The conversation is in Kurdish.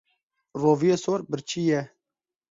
Roviyê sor birçî ye.